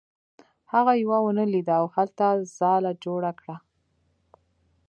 هغه یوه ونه ولیده او هلته یې ځاله جوړه کړه.